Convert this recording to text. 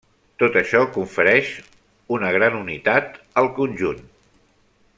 Tot això confereix una gran unitat al conjunt.